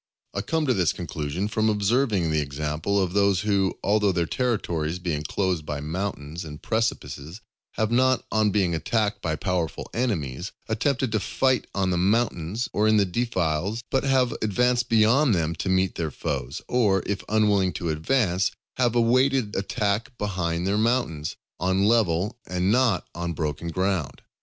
I come to this conclusion from observing the example of those who, although their territories be enclosed by mountains and precipices, have not, on being attacked by powerful enemies, attempted to fight on the mountains or in the defiles, but have advanced beyond them to meet their foes; or, if unwilling to advance, have awaited attack behind their mountains, on level and not on broken ground.